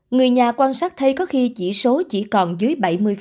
người nhà quan sát thấy có khi chỉ số chỉ còn dưới bảy mươi